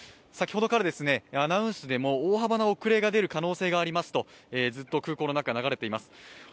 先ほどからアナウンスでも大幅な遅れが出る可能性がありますとずっと空港の中、流れています。